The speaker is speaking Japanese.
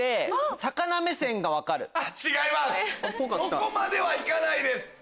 そこまではいかないです。